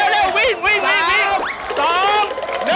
เร็ววิ่ง